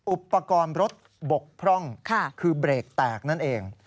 อุปกรณ์รถบกพร่องคือเบรกแตกนั่นเอง